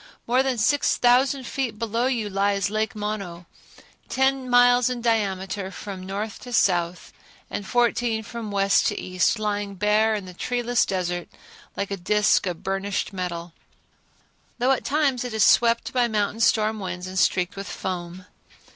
More than six thousand feet below you lies Lake Mono, ten miles in diameter from north to south, and fourteen from west to east, lying bare in the treeless desert like a disk of burnished metal, though at times it is swept by mountain storm winds and streaked with foam.